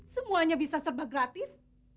semuanya bisa serba gratis